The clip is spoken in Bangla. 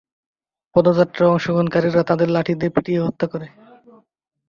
পদযাত্রায় অংশগ্রহণকারীরা তাদের লাঠি দিয়ে পিটিয়ে হত্যা করে।